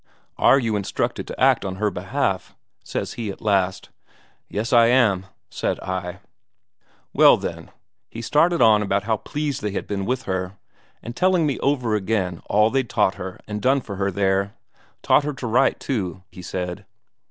'Are you instructed to act on her behalf?' says he at last. 'Yes, I am,' said I. Well, then, he started on about how pleased they had been with her, and telling me over again all they'd taught her and done for her there taught her to write too, he said.